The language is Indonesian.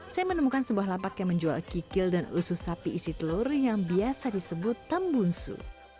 saya menemukan sebuah lapak yang menjual kikil dan usus sapi isi telur yang biasa disebut tambunsu